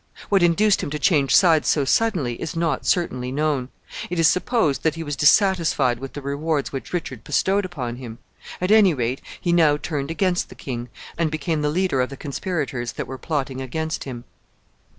What induced him to change sides so suddenly is not certainly known. It is supposed that he was dissatisfied with the rewards which Richard bestowed upon him. At any rate, he now turned against the king, and became the leader of the conspirators that were plotting against him.